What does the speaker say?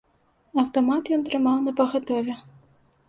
Аўтамат ён трымаў напагатове.